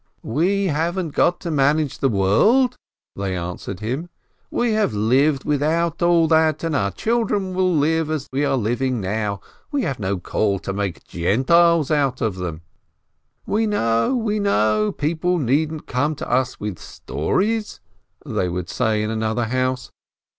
"We haven't got to manage the world," they answered him. "We have lived without all that, and our children will live as we are living now. We have no call to make Gentiles of them !" "We know, we know! People needn't come to us with stories," they would say in another house.